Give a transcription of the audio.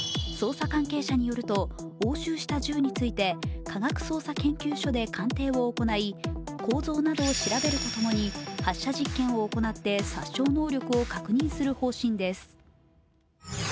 捜査関係者によると押収した銃について科学捜査研究所で鑑定を行い構造などを調べるとともに発射実験を行って殺傷能力を確認する方針です。